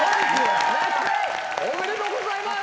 おめでとうございます！